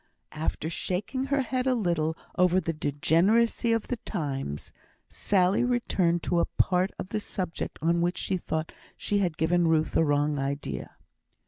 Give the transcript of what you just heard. After shaking her head a little over the degeneracy of the times, Sally returned to a part of the subject on which she thought she had given Ruth a wrong idea.